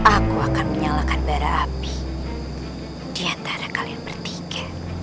aku akan menyalakan bara api di antara kalian bertiga